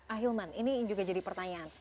ahilman ini juga jadi pertanyaan